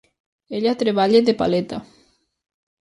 Ella treballa de paleta.